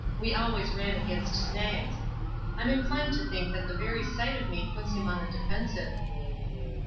We always ran against snags. I'm in clined to think that the very sight of me puts him on the defensive."